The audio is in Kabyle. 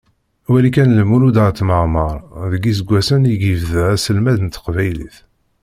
Wali kan Lmulud At Mεemmer deg yiseggasen ideg ibda aselmed n teqbaylit.